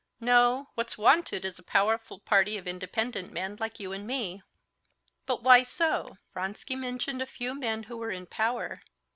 No, what's wanted is a powerful party of independent men like you and me." "But why so?" Vronsky mentioned a few men who were in power.